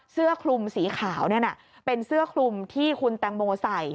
เสื้อคลุมสีขาวเนี่ยนะเป็นเสื้อคลุมที่คุณแตงโมใส่